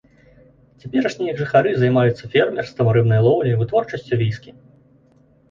Цяперашнія іх жыхары займаюцца фермерствам, рыбнай лоўляй, вытворчасцю віскі.